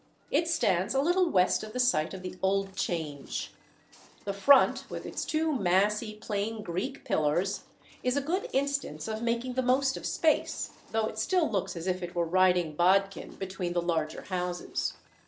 It stands a little west of the site of the "old Change." The front, with its two massy plain Greek pillars, is a good instance of making the most of space, though it still looks as if it were riding "bodkin" between the larger houses.